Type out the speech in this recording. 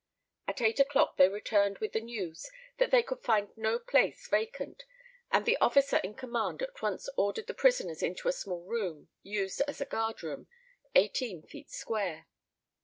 At eight o'clock they returned with the news that they could find no place vacant, and the officer in command at once ordered the prisoners into a small room, used as a guard room, eighteen feet square.